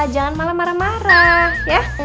jangan malah marah marah ya